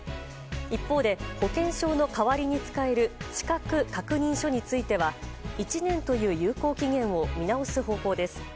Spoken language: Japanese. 一方で、保険証の代わりに使える資格確認書については１年という有効期限を見直す方向です。